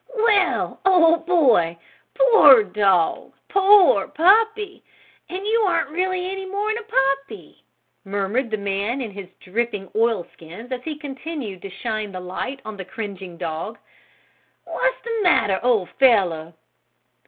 "Well, old boy! Poor dog! Poor puppy! And you aren't really any more'n a puppy!" murmured the man in his dripping oilskins as he continued to shine the light on the cringing dog. "What's the matter, old fellow?"